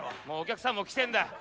もうお客さんも来てんだ。